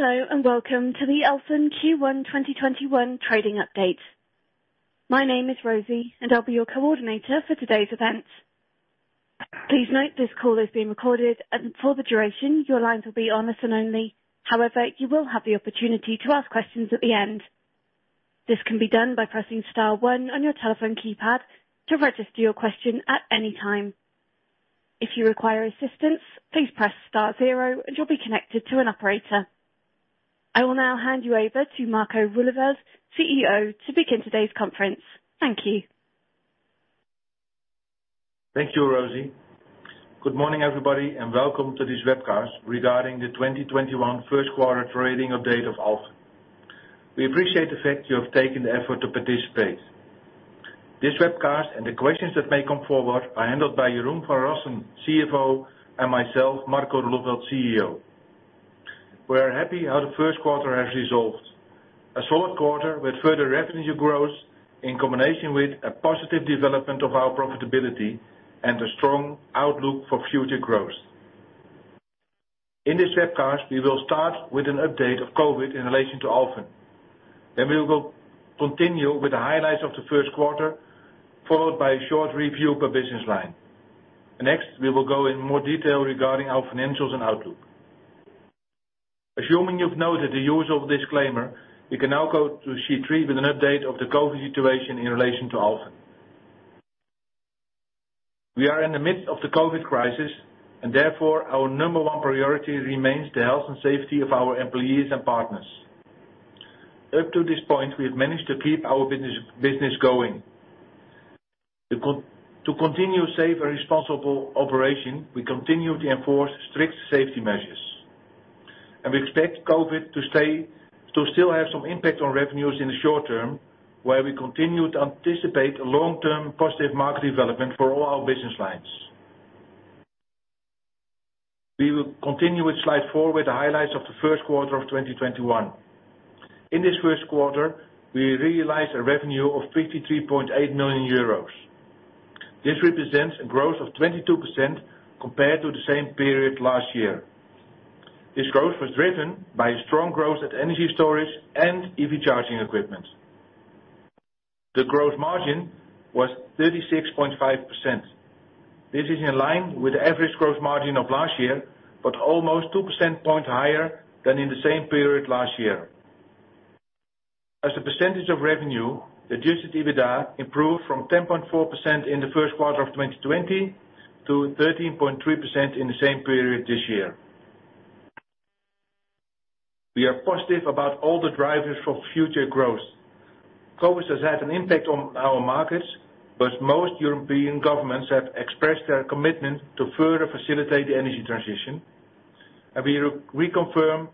Hello, and welcome to the Alfen Q1 2021 trading update. My name is Rosie, and I'll be your coordinator for today's event. Please note this call is being recorded, and for the duration, your lines will be on listen only. However, you will have the opportunity to ask questions at the end. This can be done by pressing star one on your telephone keypad to register your question at any time. If you require assistance, please press star zero and you'll be connected to an operator. I will now hand you over to Marco Roeleveld, CEO, to begin today's conference. Thank you. Thank you, Rosie. Good morning, everybody, and welcome to this webcast regarding the 2021 first quarter trading update of Alfen. We appreciate the fact you have taken the effort to participate. This webcast and the questions that may come forward are handled by Jeroen van Rossen, CFO, and myself, Marco Roeleveld, CEO. We are happy how the first quarter has resolved. A solid quarter with further revenue growth in combination with a positive development of our profitability and a strong outlook for future growth. In this webcast, we will start with an update of COVID in relation to Alfen. We will continue with the highlights of the first quarter, followed by a short review per business line. Next, we will go in more detail regarding our financials and outlook. Assuming you've noted the usual disclaimer, we can now go to sheet three with an update of the COVID situation in relation to Alfen. We are in the midst of the COVID crisis, and therefore, our number one priority remains the health and safety of our employees and partners. Up to this point, we have managed to keep our business going. To continue safe and responsible operation, we continue to enforce strict safety measures, and we expect COVID to still have some impact on revenues in the short-term, where we continue to anticipate a long-term positive market development for all our business lines. We will continue with slide four with the highlights of the first quarter of 2021. In this first quarter, we realized a revenue of 53.8 million euros. This represents a growth of 22% compared to the same period last year. This growth was driven by a strong growth at energy storage and EV charging equipment. The gross margin was 36.5%. This is in line with the average gross margin of last year, but almost 2 percentage points higher than in the same period last year. As a percentage of revenue, adjusted EBITDA improved from 10.4% in the first quarter of 2020 to 13.3% in the same period this year. We are positive about all the drivers for future growth. COVID has had an impact on our markets, but most European governments have expressed their commitment to further facilitate the energy transition, and we reconfirm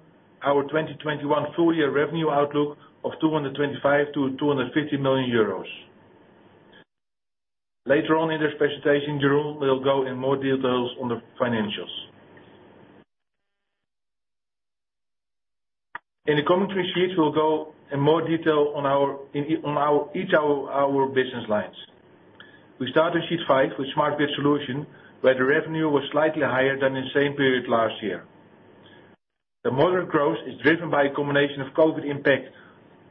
our 2021 full-year revenue outlook of 225 million-250 million euros. Later on in this presentation, Jeroen will go in more details on the financials. In the coming three sheets, we'll go in more detail on each of our business lines. We start on sheet five with Smart Grid Solutions, where the revenue was slightly higher than the same period last year. The moderate growth is driven by a combination of COVID impact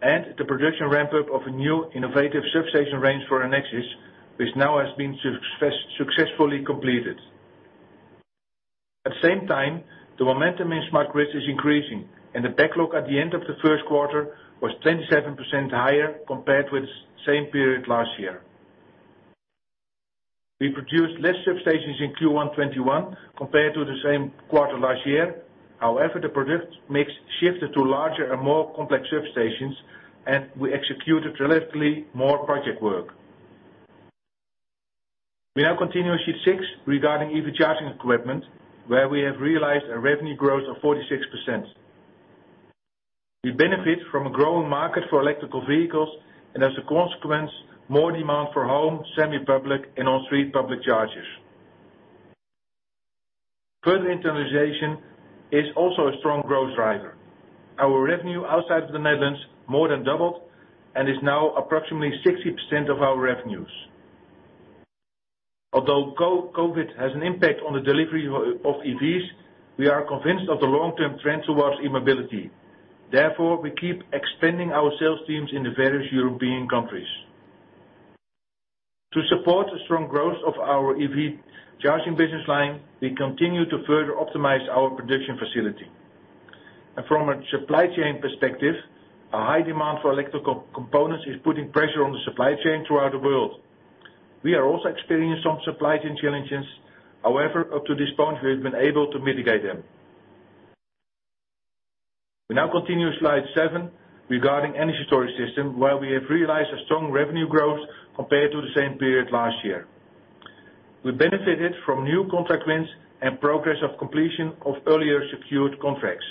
and the production ramp-up of a new innovative substation range for Enexis, which now has been successfully completed. At the same time, the momentum in smart grids is increasing, and the backlog at the end of the first quarter was 27% higher compared with the same period last year. We produced less substations in Q1 2021 compared to the same quarter last year. However, the product mix shifted to larger and more complex substations, and we executed relatively more project work. We now continue on sheet six regarding EV charging equipment, where we have realized a revenue growth of 46%. We benefit from a growing market for electric vehicles, and as a consequence, more demand for home, semi-public, and on-street public chargers. Further internationalization is also a strong growth driver. Our revenue outside of the Netherlands more than doubled and is now approximately 60% of our revenues. Although COVID has an impact on the delivery of EVs, we are convinced of the long-term trend towards e-mobility. Therefore, we keep expanding our sales teams in the various European countries. To support the strong growth of our EV charging business line, we continue to further optimize our production facility. From a supply chain perspective, a high demand for electric components is putting pressure on the supply chain throughout the world. We are also experiencing some supply chain challenges. However, up to this point, we have been able to mitigate them. We now continue slide seven regarding energy storage system, where we have realized a strong revenue growth compared to the same period last year. We benefited from new contract wins and progress of completion of earlier secured contracts.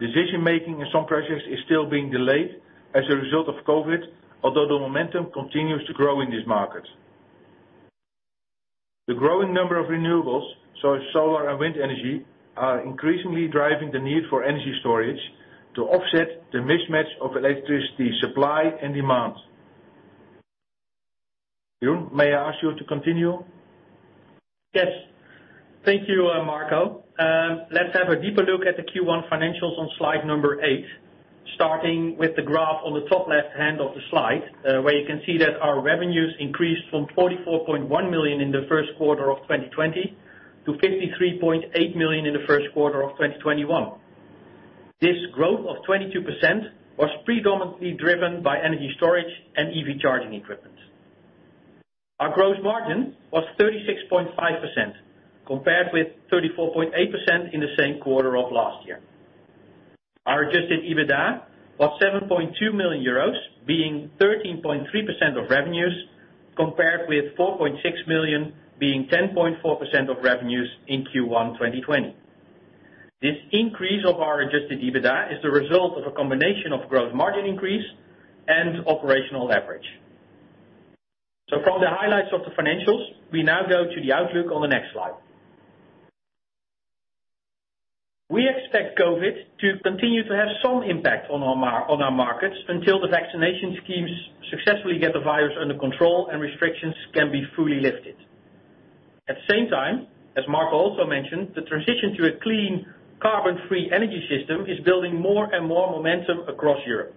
Decision-making in some projects is still being delayed as a result of COVID, although the momentum continues to grow in this market. The growing number of renewables, so solar and wind energy, are increasingly driving the need for energy storage to offset the mismatch of electricity supply and demand. Jeroen, may I ask you to continue? Yes. Thank you, Marco. Let's have a deeper look at the Q1 financials on slide number eight, starting with the graph on the top left hand of the slide, where you can see that our revenues increased from 44.1 million in the first quarter of 2020 to 53.8 million in the first quarter of 2021. This growth of 22% was predominantly driven by energy storage and EV charging equipment. Our gross margin was 36.5%, compared with 34.8% in the same quarter of last year. Our adjusted EBITDA was 7.2 million euros, being 13.3% of revenues, compared with 4.6 million, being 10.4% of revenues in Q1 2020. This increase of our adjusted EBITDA is the result of a combination of gross margin increase and operational leverage. From the highlights of the financials, we now go to the outlook on the next slide. We expect COVID to continue to have some impact on our markets until the vaccination schemes successfully get the virus under control and restrictions can be fully lifted. At the same time, as Marco also mentioned, the transition to a clean, carbon-free energy system is building more and more momentum across Europe.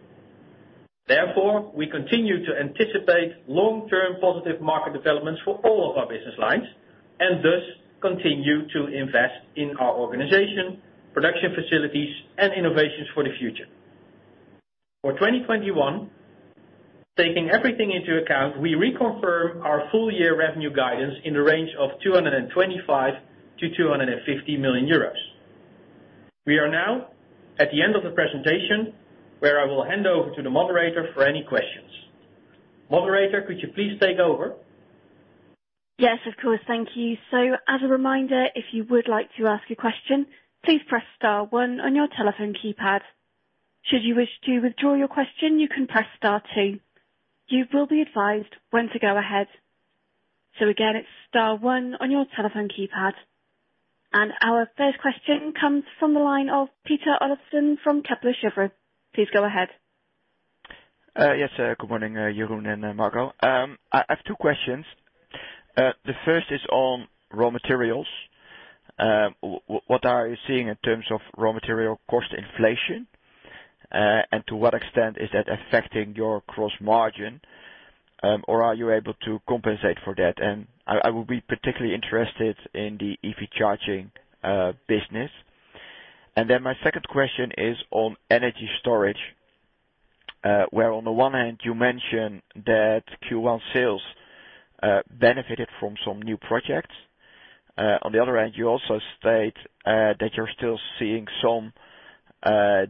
We continue to anticipate long-term positive market developments for all of our business lines, and thus continue to invest in our organization, production facilities and innovations for the future. For 2021, taking everything into account, we reconfirm our full year revenue guidance in the range of 225 million-250 million euros. We are now at the end of the presentation, where I will hand over to the moderator for any questions. Moderator, could you please take over? Yes, of course. Thank you. As a reminder, if you would like to ask a question, please press star one on your telephone keypad. Should you wish to withdraw your question, you can press star two. You will be advised when to go ahead. Again, it's star one on your telephone keypad. Our first question comes from the line of Peter Olofsen from Kepler Cheuvreux. Please go ahead. Yes. Good morning, Jeroen and Marco. I have two questions. The first is on raw materials. What are you seeing in terms of raw material cost inflation? To what extent is that affecting your gross margin, or are you able to compensate for that? I will be particularly interested in the EV charging business. My second question is on energy storage, where on the one hand, you mention that Q1 sales benefited from some new projects. On the other hand, you also state that you're still seeing some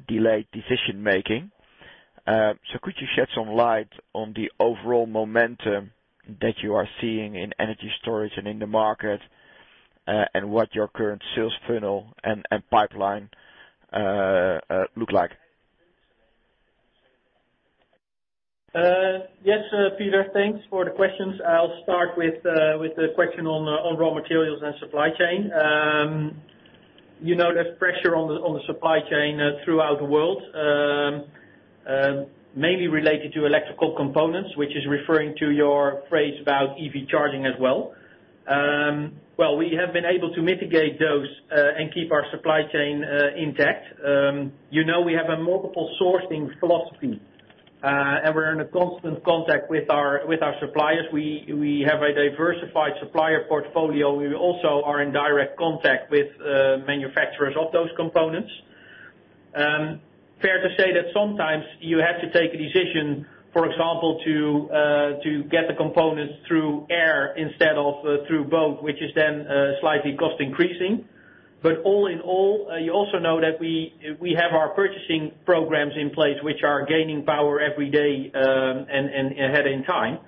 delayed decision-making. Could you shed some light on the overall momentum that you are seeing in energy storage and in the market, and what your current sales funnel and pipeline look like? Yes, Peter. Thanks for the questions. I'll start with the question on raw materials and supply chain. There's pressure on the supply chain throughout the world, mainly related to electrical components, which is referring to your phrase about EV charging as well. Well, we have been able to mitigate those and keep our supply chain intact. We have a multiple sourcing philosophy, we're in a constant contact with our suppliers. We have a diversified supplier portfolio. We also are in direct contact with manufacturers of those components. Fair to say that sometimes you have to take a decision, for example, to get the components through air instead of through boat, which is then slightly cost increasing. All in all, you also know that we have our purchasing programs in place, which are gaining power every day and ahead in time.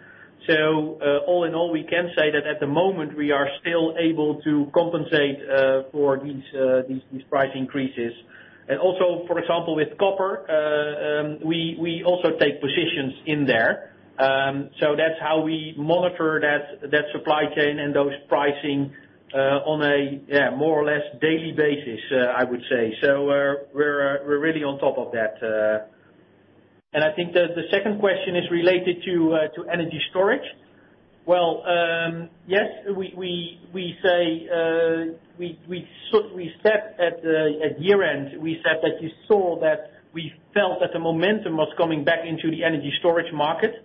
All in all, we can say that at the moment, we are still able to compensate for these price increases. Also, for example, with copper, we also take positions in there. That's how we monitor that supply chain and those pricing on a more or less daily basis, I would say. We're really on top of that. I think the second question is related to energy storage. Well, yes, at year-end, we said that you saw that we felt that the momentum was coming back into the energy storage market.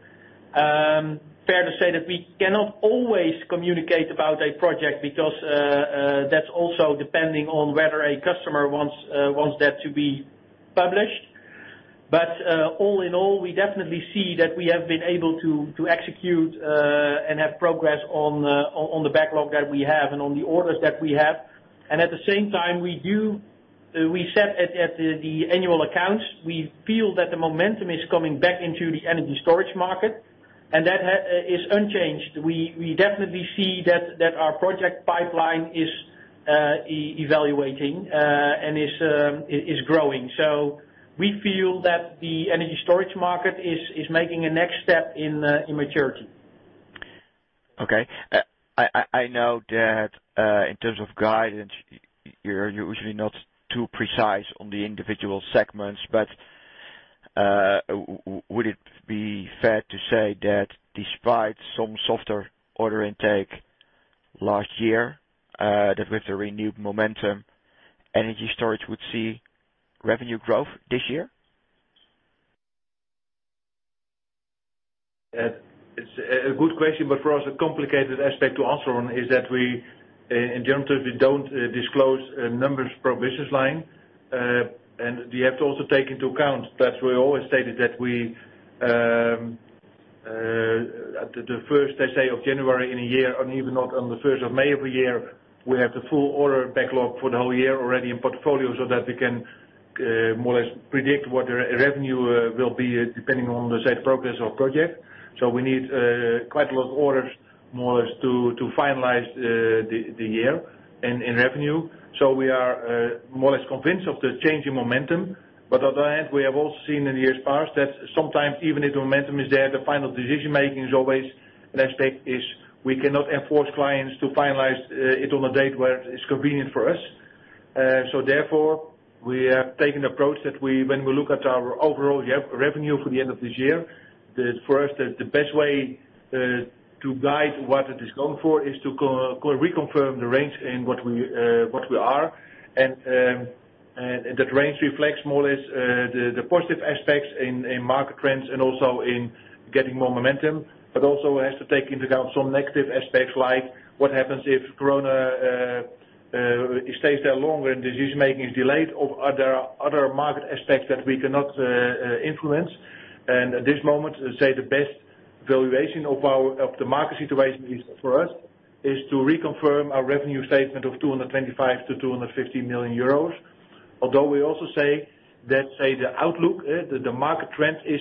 Fair to say that we cannot always communicate about a project because that's also depending on whether a customer wants that to be published. All in all, we definitely see that we have been able to execute and have progress on the backlog that we have and on the orders that we have. At the same time, we said at the annual accounts, we feel that the momentum is coming back into the energy storage market, and that is unchanged. We definitely see that our project pipeline is evaluating and is growing. We feel that the energy storage market is making a next step in maturity. Okay. I know that in terms of guidance, you're usually not too precise on the individual segments, but would it be fair to say that despite some softer order intake last year, that with the renewed momentum, energy storage would see revenue growth this year? It's a good question, for us, a complicated aspect to answer on is that in general terms, we don't disclose numbers per business line. You have to also take into account that we always stated that at the first, let's say, of January in a year, even on the 1st of May every year, we have the full order backlog for the whole year already in portfolio so that we can more or less predict what the revenue will be, depending on the site progress or project. We need quite a lot of orders, more or less to finalize the year in revenue. We are more or less convinced of the change in momentum. On the other hand, we have also seen in years past that sometimes even if the momentum is there, the final decision-making is always an aspect is we cannot enforce clients to finalize it on a date where it's convenient for us. Therefore, we have taken the approach that when we look at our overall revenue for the end of this year, for us, the best way to guide what it is going for is to reconfirm the range in what we are. That range reflects more or less the positive aspects in market trends and also in getting more momentum, but also has to take into account some negative aspects like what happens if corona stays there longer and decision-making is delayed, or are there other market aspects that we cannot influence. At this moment, say, the best valuation of the market situation for us is to reconfirm our revenue statement of 225 million-250 million euros. Although we also say that, say, the outlook, the market trend is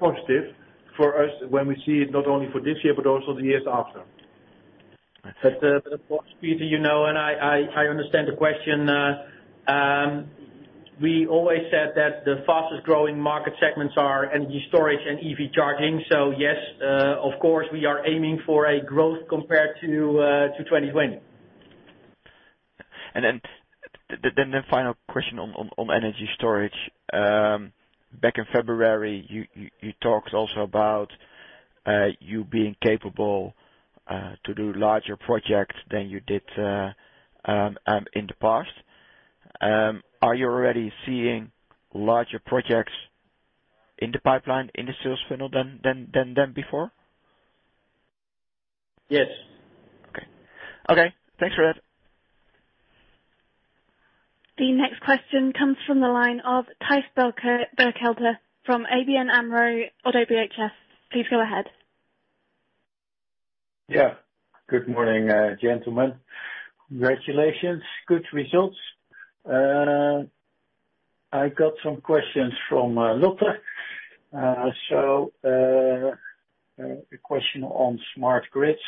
positive for us when we see it not only for this year but also the years after. Peter, and I understand the question. We always said that the fastest-growing market segments are energy storage and EV charging. Yes, of course, we are aiming for a growth compared to 2020. The final question on energy storage. Back in February, you talked also about you being capable to do larger projects than you did in the past. Are you already seeing larger projects in the pipeline, in the sales funnel than before? Yes. Okay. Thanks for that. The next question comes from the line of Thijs Berkelder from ABN AMRO-ODDO BHF. Please go ahead. Good morning, gentlemen. Congratulations. Good results. I got some questions from Lotte. A question on smart grids,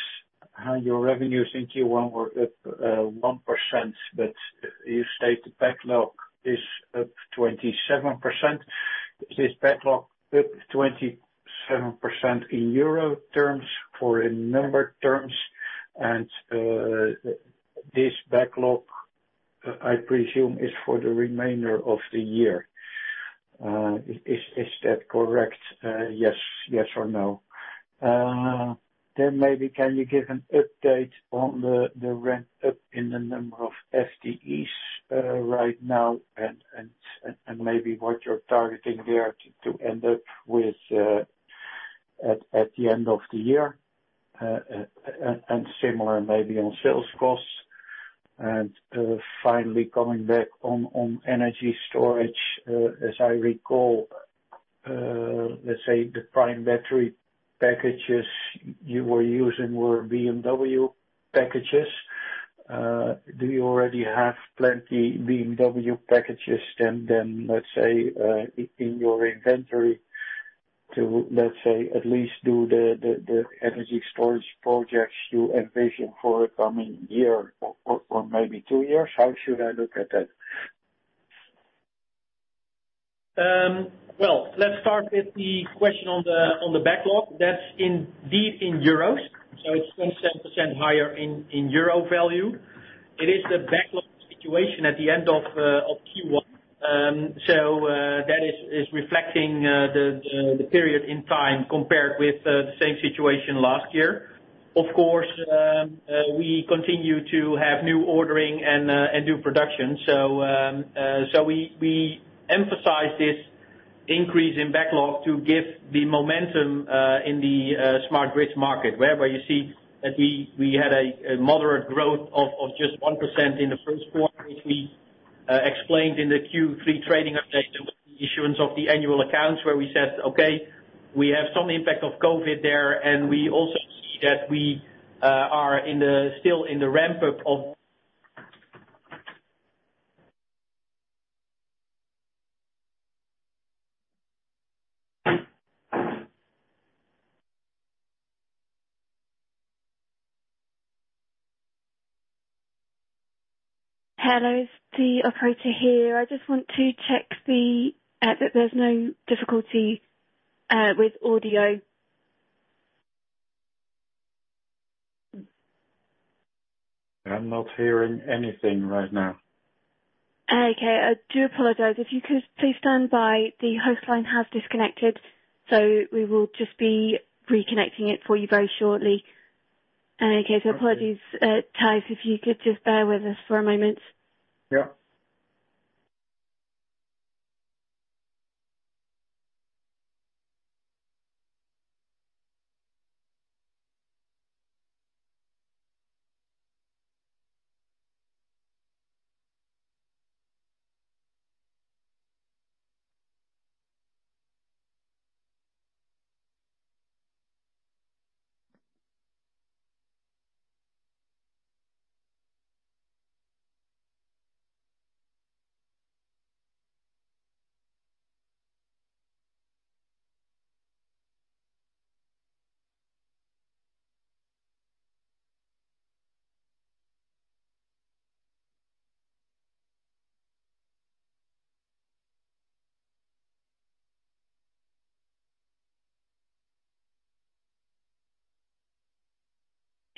how your revenues in Q1 were up 1%, but you state the backlog is up 27%. Is this backlog up 27% in euro terms or in number terms? This backlog, I presume, is for the remainder of the year. Is that correct? Yes or no? Maybe can you give an update on the ramp-up in the number of FTEs right now and maybe what you're targeting there to end up with at the end of the year, and similar maybe on sales costs. Finally, coming back on energy storage, as I recall, let's say the prime battery packages you were using were BMW packages. Do you already have plenty BMW packages than let's say, in your inventory to, let's say, at least do the energy storage projects you envision for the coming year or maybe two years? How should I look at that? Well, let's start with the question on the backlog. That's indeed in euros, it's 27% higher in euro value. It is the backlog situation at the end of Q1. That is reflecting the period in time compared with the same situation last year. Of course, we continue to have new ordering and new production. We emphasize this increase in backlog to give the momentum in the smart grids market, whereby you see that we had a moderate growth of just 1% in the first quarter, which we explained in the Q3 trading update with the issuance of the annual accounts, where we said, okay, we have some impact of COVID there, and we also see that we are still in the ramp-up of. Hello, it's the operator here. I just want to check that there's no difficulty with audio. I'm not hearing anything right now. Okay. I do apologize. If you could please stand by. The host line has disconnected, so we will just be reconnecting it for you very shortly. Okay. Okay. Apologies, Thijs, if you could just bear with us for a moment. Yeah.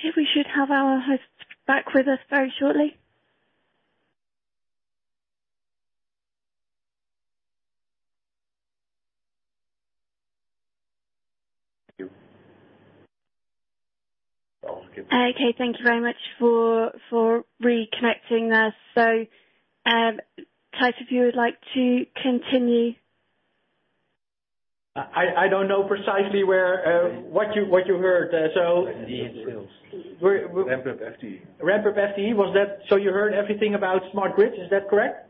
Okay, we should have our host back with us very shortly. Thank you. Okay, thank you very much for reconnecting us. Thijs, if you would like to continue. I don't know precisely what you heard. FTE and sales. Ramp-up FTE. Ramp-up FTE. You heard everything about Smart Grids, is that correct?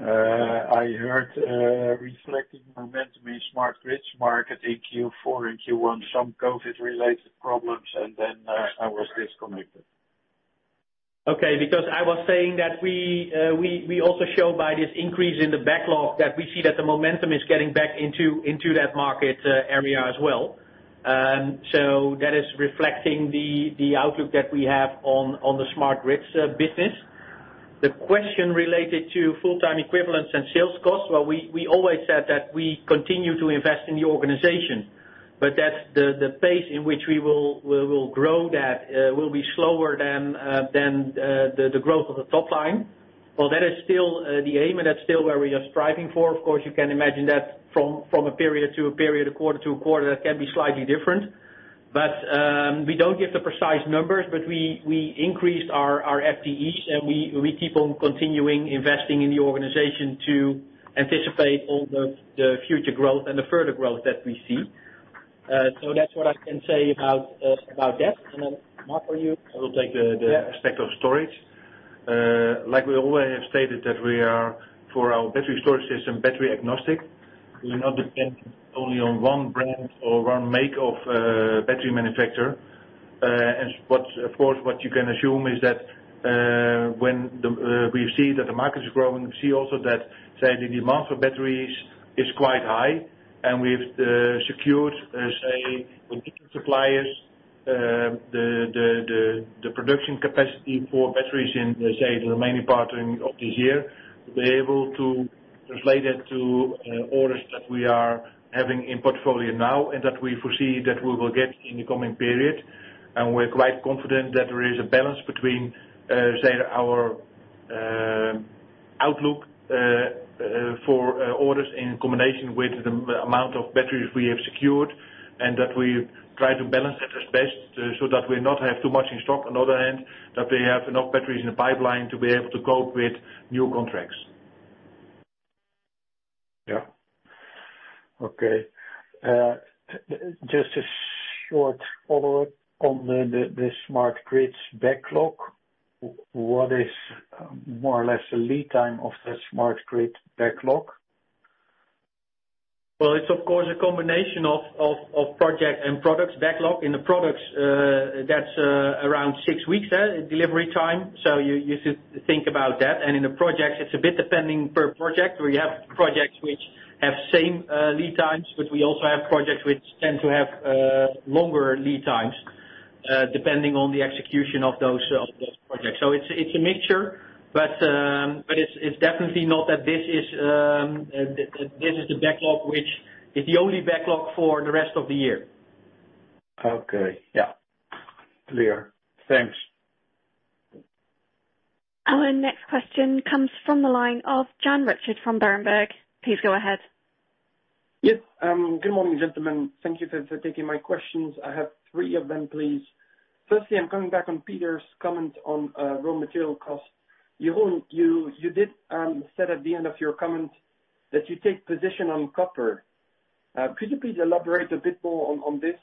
I heard reflecting momentum in Smart Grids market in Q4 and Q1, some COVID related problems, and then I was disconnected. Okay. Because I was saying that we also show by this increase in the backlog that we see that the momentum is getting back into that market area as well. That is reflecting the outlook that we have on the Smart Grids business. The question related to full-time equivalents and sales costs, well, we always said that we continue to invest in the organization, but that the pace in which we will grow that will be slower than the growth of the top line. Well, that is still the aim and that's still where we are striving for. Of course, you can imagine that from a period to a period, a quarter to a quarter, that can be slightly different. We don't give the precise numbers, but we increased our FTEs, and we keep on continuing investing in the organization to anticipate all the future growth and the further growth that we see. That's what I can say about that. Then Marc, for you. I will take the aspect of storage. Like we always have stated, that we are, for our battery storage system, battery agnostic. We're not dependent only on one brand or one make of battery manufacturer. Of course, what you can assume is that when we see that the market is growing, we see also that, say, the demand for batteries is quite high and we've secured, say, with different suppliers, the production capacity for batteries in, say, the remaining part of this year, to be able to translate that to orders that we are having in portfolio now and that we foresee that we will get in the coming period. We're quite confident that there is a balance between, say, our outlook for orders in combination with the amount of batteries we have secured and that we try to balance that as best so that we not have too much in stock. On the other hand, that we have enough batteries in the pipeline to be able to cope with new contracts. Yeah. Okay. Just a short follow-up on the Smart Grids backlog. What is more or less the lead time of that Smart Grid backlog? Well, it's of course a combination of project and products backlog. In the products, that's around six weeks delivery time. You should think about that. In the projects, it's a bit depending per project. We have projects which have same lead times, but we also have projects which tend to have longer lead times, depending on the execution of those projects. It's a mixture, but it's definitely not that this is the backlog, which is the only backlog for the rest of the year. Okay. Yeah. Clear. Thanks. Our next question comes from the line of Jan Richard from Berenberg. Please go ahead. Yes. Good morning, gentlemen. Thank you for taking my questions. I have three of them, please. I'm coming back on Peter's comment on raw material cost. Jeroen, you did say at the end of your comment that you take position on copper. Could you please elaborate a bit more on this?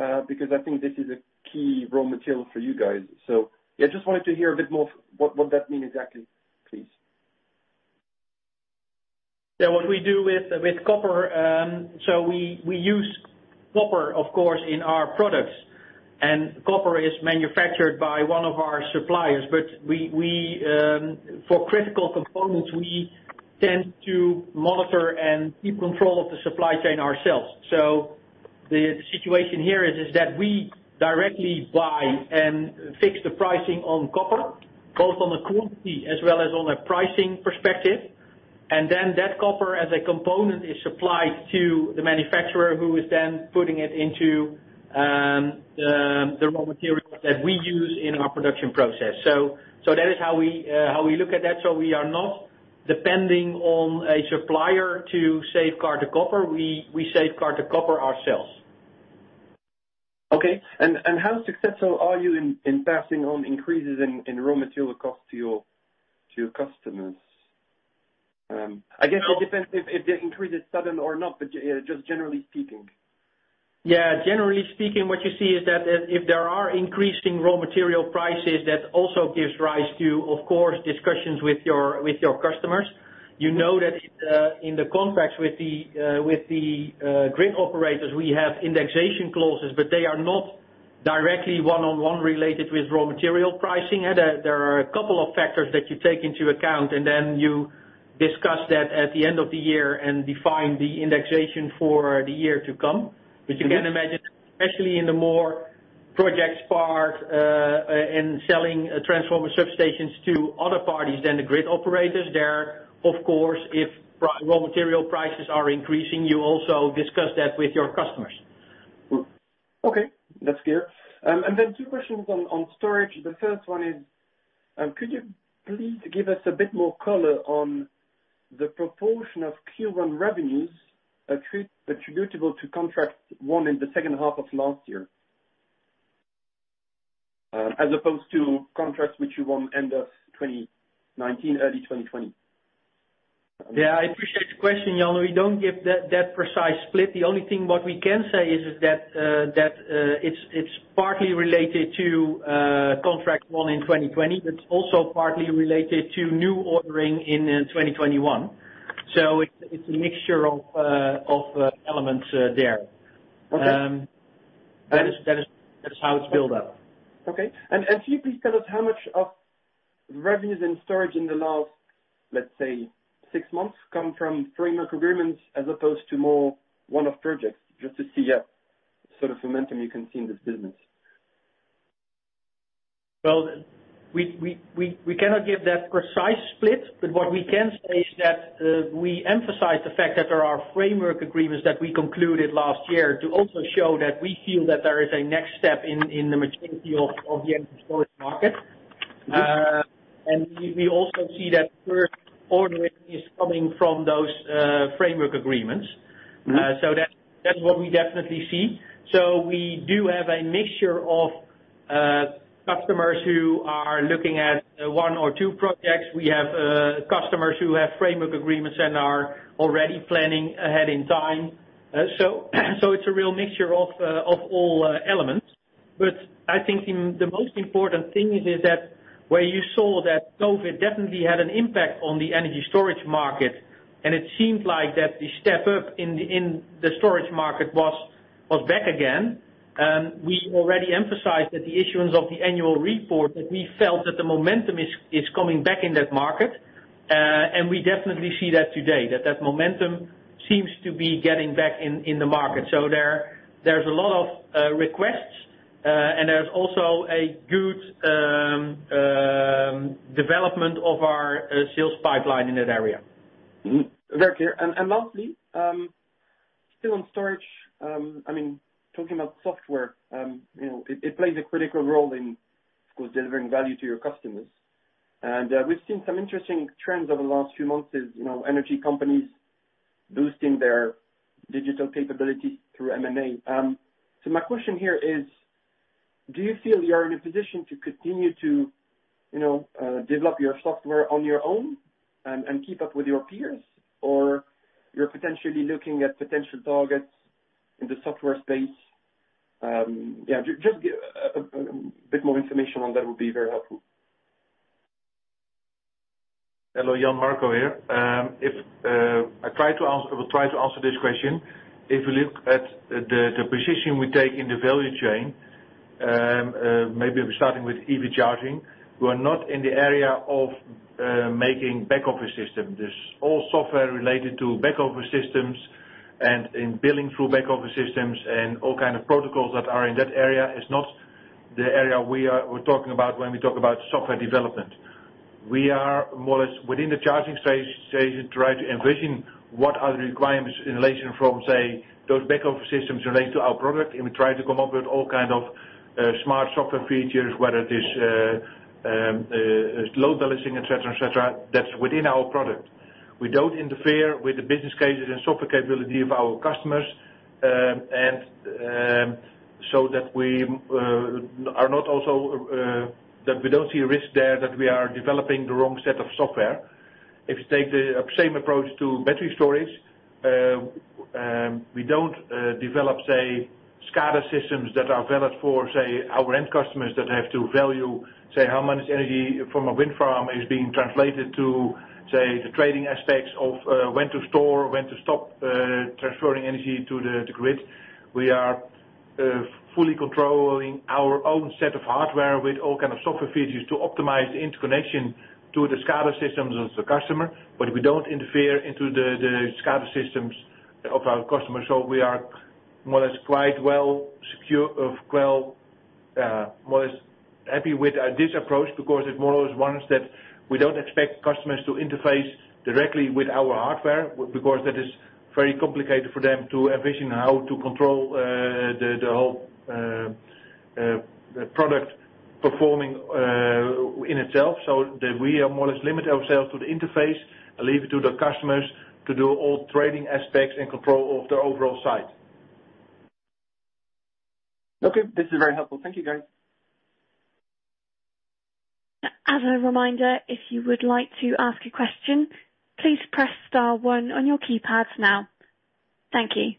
I think this is a key raw material for you guys. Yeah, just wanted to hear a bit more what that mean exactly, please. Yeah. What we do with copper, so we use copper, of course, in our products. Copper is manufactured by one of our suppliers. For critical components, we tend to monitor and keep control of the supply chain ourselves. The situation here is that we directly buy and fix the pricing on copper, both on a quantity as well as on a pricing perspective. That copper as a component is supplied to the manufacturer who is then putting it into the raw materials that we use in our production process. That is how we look at that. We are not depending on a supplier to safeguard the copper. We safeguard the copper ourselves. Okay. How successful are you in passing on increases in raw material cost to your customers? I guess it depends if the increase is sudden or not, but just generally speaking. Yeah. Generally speaking, what you see is that if there are increasing raw material prices, that also gives rise to, of course, discussions with your customers. You know that in the contracts with the grid operators, we have indexation clauses, but they are not directly one-on-one related with raw material pricing. There are a couple of factors that you take into account, and then you discuss that at the end of the year and define the indexation for the year to come. You can imagine, especially in the more projects part, in selling transformer substations to other parties than the grid operators, there, of course, if raw material prices are increasing, you also discuss that with your customers. Okay. That's clear. Two questions on storage. The first one is, could you please give us a bit more color on the proportion of Q1 revenues attributable to contract won in the second half of last year, as opposed to contracts which you won end of 2019, early 2020? Yeah, I appreciate the question, Jan. We don't give that precise split. The only thing what we can say is that it's partly related to contract won in 2020, but it's also partly related to new ordering in 2021. It's a mixture of elements there. Okay. That is how it's built up. Okay. Can you please tell us how much of revenues and storage in the last, let's say, six months, come from framework agreements as opposed to more one-off projects, just to see what sort of momentum you can see in this business? Well, we cannot give that precise split, but what we can say is that we emphasize the fact that there are framework agreements that we concluded last year to also show that we feel that there is a next step in the maturity of the energy storage market. We also see that first ordering is coming from those framework agreements. That's what we definitely see. We do have a mixture of customers who are looking at one or two projects. We have customers who have framework agreements and are already planning ahead in time. It's a real mixture of all elements. I think the most important thing is that where you saw that COVID definitely had an impact on the energy storage market, and it seemed like that the step up in the storage market was back again, we already emphasized that the issuance of the annual report, that we felt that the momentum is coming back in that market. We definitely see that today, that that momentum seems to be getting back in the market. There's a lot of requests, and there's also a good development of our sales pipeline in that area. Mm-hmm. Very clear. Lastly, still on storage, talking about software, it plays a critical role in, of course, delivering value to your customers. We've seen some interesting trends over the last few months as energy companies boosting their digital capabilities through M&A. My question here is, do you feel you're in a position to continue to develop your software on your own and keep up with your peers? You're potentially looking at potential targets in the software space? Just give a bit more information on that would be very helpful. Hello, Jan. Marco here. I will try to answer this question. If you look at the position we take in the value chain, maybe starting with EV charging, we're not in the area of making back-office system. This all software related to back-office systems and in billing through back-office systems and all kind of protocols that are in that area is not the area we're talking about when we talk about software development. We are more or less within the charging station, try to envision what are the requirements in relation from, say, those back-office systems relate to our product, and we try to come up with all kind of smart software features, whether it is load balancing, et cetera, et cetera, that's within our product. We don't interfere with the business cases and software capability of our customers. We don't see a risk there that we are developing the wrong set of software. If you take the same approach to battery storage, we don't develop, say, SCADA systems that are valid for, say, our end customers that have to value, say, how much energy from a wind farm is being translated to, say, the trading aspects of when to store, when to stop transferring energy to the grid. We are fully controlling our own set of hardware with all kind of software features to optimize the interconnection to the SCADA systems of the customer. We don't interfere into the SCADA systems of our customers. We are more or less quite well secure, more or less happy with this approach, because it's more or less one that we don't expect customers to interface directly with our hardware, because that is very complicated for them to envision how to control the whole product performing in itself. That we more or less limit ourselves to the interface and leave it to the customers to do all trading aspects and control of their overall site. Okay, this is very helpful. Thank you, guys. As a reminder, if you would like to ask a question, please press star one on your keypad now. Thank you.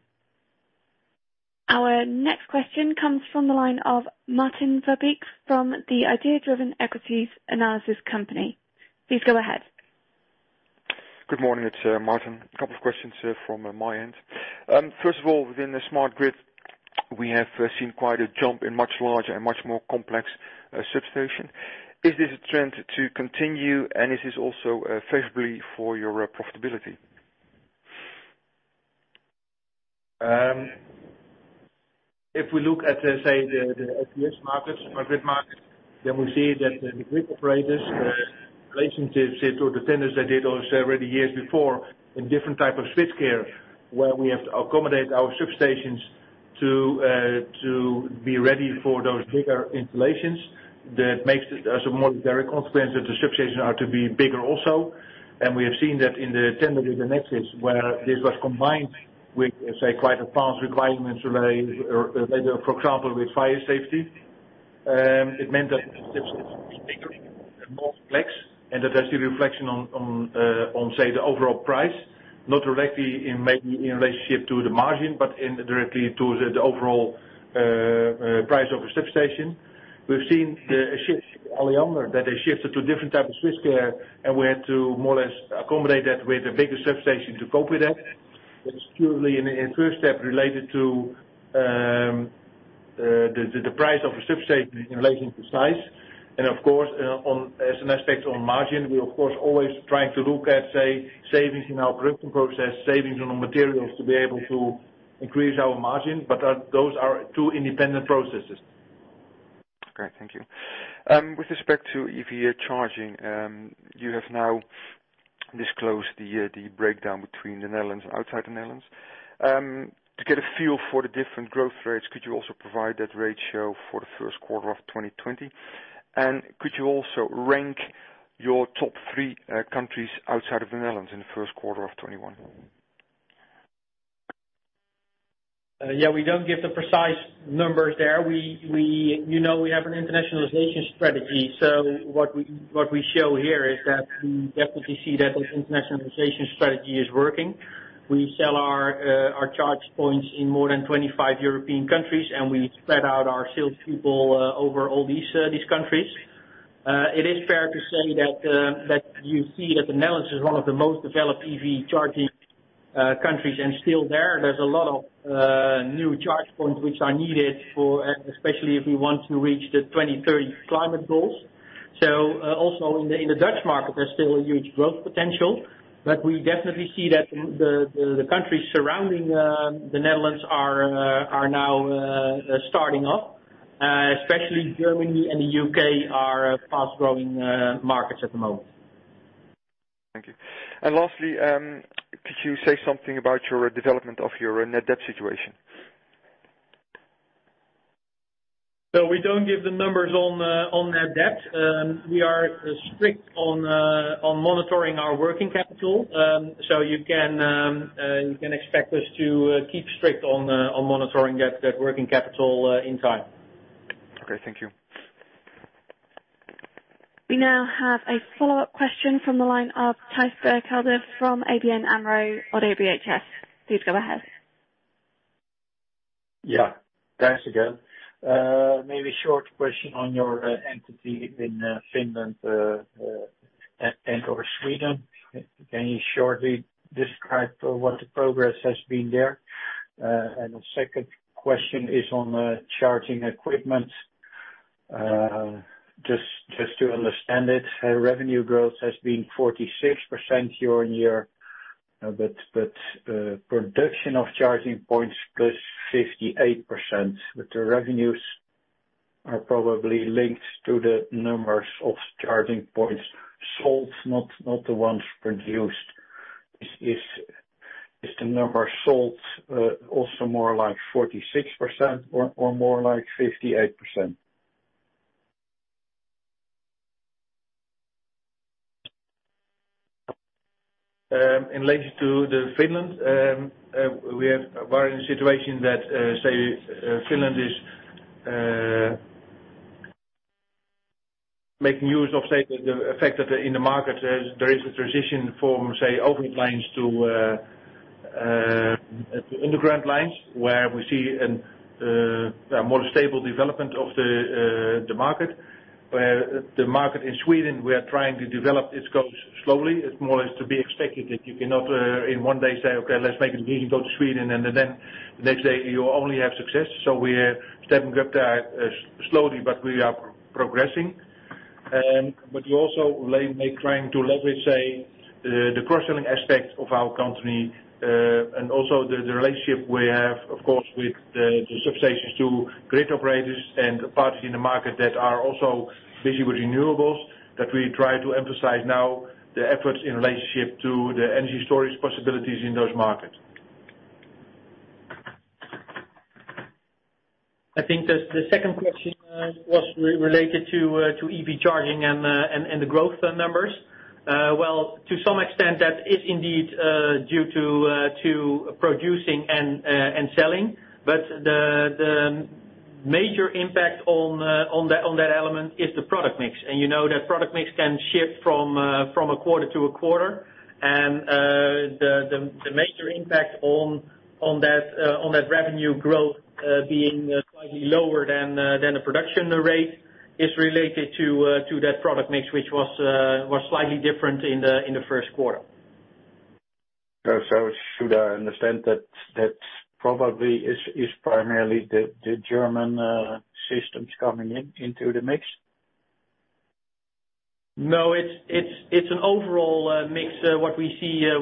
Our next question comes from the line of Maarten Verbeek from the Idea Driven Equities Analyses Company. Please go ahead. Good morning. It's Maarten. Couple of questions from my end. First of all, within the Smart Grid, we have seen quite a jump in much larger and much more complex substation. Is this a trend to continue, and is this also favorably for your profitability? If we look at, say, the FPS markets, Smart Grid market, we see that the grid operators relationships to the tenders they did already years before in different type of switchgear, where we have to accommodate our substations to be ready for those bigger installations. That makes it as a more direct consequence that the substations are to be bigger also. We have seen that in the tender with Enexis, where this was combined with, say, quite advanced requirements related, for example, with fire safety. It meant that the substations are bigger and more complex, and that has a reflection on, say, the overall price, not directly in relationship to the margin, but indirectly to the overall price of a substation. We've seen a shift earlier on, that they shifted to a different type of switchgear, and we had to more or less accommodate that with a bigger substation to cope with that. That is purely in first step related to the price of a substation in relation to size. Of course, as an aspect on margin, we of course always trying to look at, say, savings in our production process, savings on materials to be able to increase our margin. Those are two independent processes. Okay, thank you. With respect to EV charging, you have now disclosed the breakdown between the Netherlands and outside the Netherlands. To get a feel for the different growth rates, could you also provide that ratio for the first quarter of 2020? Could you also rank your top three countries outside of the Netherlands in the first quarter of 2021? Yeah, we don't give the precise numbers there. We have an internationalization strategy, what we show here is that we definitely see that this internationalization strategy is working. We sell our charge points in more than 25 European countries, and we spread out our sales people over all these countries. It is fair to say that you see that the Netherlands is one of the most developed EV charging countries, and still there's a lot of new charge points which are needed, especially if we want to reach the 2030 climate goals. Also in the Dutch market, there's still a huge growth potential, but we definitely see that the countries surrounding the Netherlands are now starting up. Especially Germany and the U.K. are fast-growing markets at the moment. Thank you. Lastly, could you say something about your development of your net debt situation? We don't give the numbers on net debt. We are strict on monitoring our working capital. You can expect us to keep strict on monitoring that net working capital in time. Okay, thank you. We now have a follow-up question from the line of Thijs Berkelder from ABN AMRO-ODDO BHF. Please go ahead. Yeah. Thijs again. Maybe short question on your entity in Finland and/or Sweden. Can you shortly describe what the progress has been there? The second question is on charging equipment. Just to understand it, revenue growth has been 46% year-on-year, but production of charging points +58%, but the revenues are probably linked to the numbers of charging points sold, not the ones produced. Is the number sold also more like 46% or more like 58%? In relation to Finland, we are in a situation that Finland is making use of the effect that in the market there is a transition from overhead lines to underground lines, where we see a more stable development of the market. Where the market in Sweden, we are trying to develop its scopes slowly. It's more or less to be expected that you cannot in one day say, "Okay, let's make it. We need to go to Sweden." The next day you only have success. We are stepping up there slowly, but we are progressing. We're also trying to leverage, say, the cross-selling aspect of our company, and also the relationship we have, of course, with the substations to grid operators and parties in the market that are also busy with renewables, that we try to emphasize now the efforts in relationship to the energy storage possibilities in those markets. I think the second question was related to EV charging and the growth numbers. Well, to some extent that is indeed due to producing and selling. The major impact on that element is the product mix. You know that product mix can shift from a quarter to a quarter. The major impact on that revenue growth being slightly lower than the production rate is related to that product mix, which was slightly different in the first quarter. Should I understand that probably is primarily the German systems coming into the mix? No, it's an overall mix what we see there.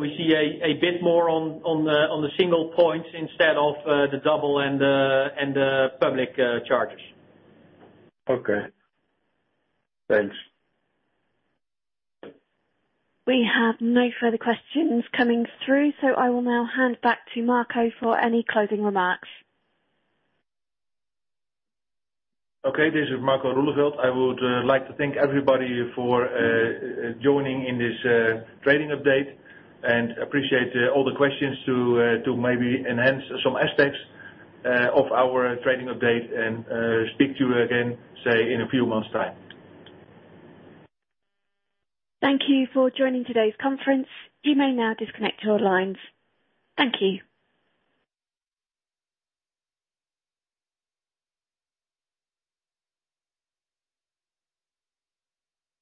We see a bit more on the single points instead of the double and the public chargers. Okay. Thanks. We have no further questions coming through, so I will now hand back to Marco for any closing remarks. Okay, this is Marco Roeleveld. I would like to thank everybody for joining in this trading update and appreciate all the questions to maybe enhance some aspects of our trading update, and speak to you again, say, in a few months' time. Thank you for joining today's conference. You may now disconnect your lines. Thank you.